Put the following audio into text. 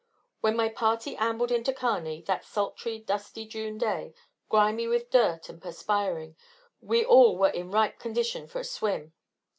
And when my party ambled into Kearney, that sultry, dusty June day, grimy with dirt and perspiring, we all were in ripe condition for a swim.